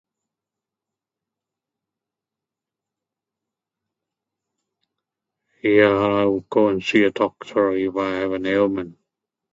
Yeah, I'll go and see a doctor if I have an ailment.